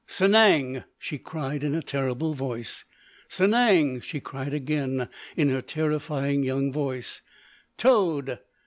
"Sanang!" she cried in a terrible voice. "Sanang!" she cried again in her terrifying young voice—"Toad!